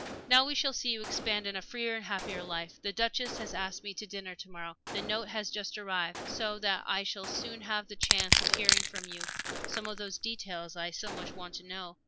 Now we shall see you expand in a freer and happier life. The Duchess has asked me to dinner to morrow the note has just arrived so that I shall soon have the chance of hearing from you some of those details I so much want to know.